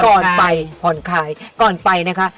หนึ่งสองซ้ำยาดมนุษย์ป้า